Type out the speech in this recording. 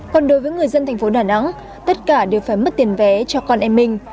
còn đối với người dân thành phố đà nẵng tất cả đều phải mất tiền vé cho con em mình